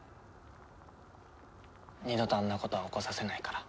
二度とあんなことは起こさせないから。